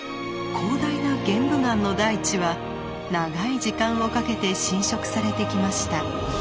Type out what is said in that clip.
広大な玄武岩の大地は長い時間をかけて浸食されてきました。